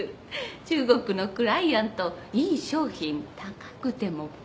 中国のクライアントいい商品高くても買います。